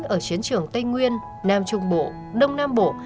ở chiến trường tây nguyên nam trung bộ đông nam bộ